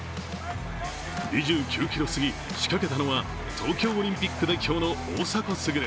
２９ｋｍ過ぎ、仕掛けたのは東京オリンピック代表の大迫傑。